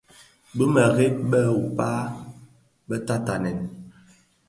Yodhi, bi mereb be be, wuo a dhikpa, bè tatanèn,